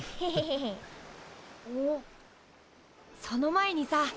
その前にさ。